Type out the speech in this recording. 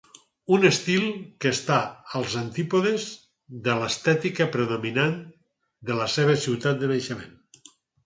Un estil que està als antípodes de l'estètica predominant de la seva ciutat de naixement.